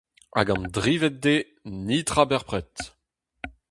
Hag an drivet deiz, netra bepred !